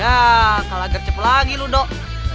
ya kalah gercep lagi lu dok